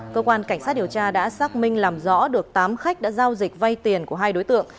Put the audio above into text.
cơ quan cảnh sát điều tra đã xác minh làm rõ được tám khách đã giao dịch vay tiền của hai đối tượng